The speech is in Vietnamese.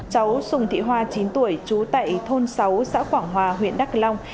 cháu sùng thị hoa chín tuổi trú tại thôn sáu xã quảng hòa huyện đắk long